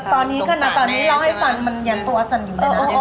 ตอนนี้ขนาดตอนนี้รอยฟันมันยันตัวสั่นอยู่เนี่ยนะ